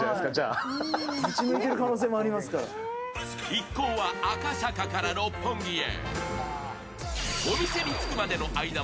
一行は赤坂から六本木へ。